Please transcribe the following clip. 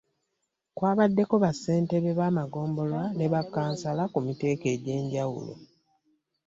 Kwabaddeko bassentebe b'amagombolola ne bakkansala ku miteeko egy'enjawulo.